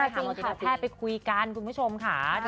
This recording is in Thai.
จริงค่ะแค่ไปคุยกันคุณผู้ชมค่ะ